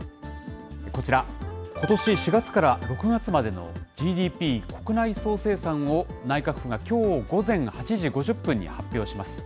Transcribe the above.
こちら、ことし４月から６月までのＧＤＰ・国内総生産を、内閣府がきょう午前８時５０分に発表します。